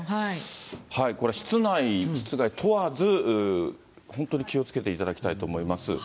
これ、室内室外問わず、本当に気をつけていただきたいと思い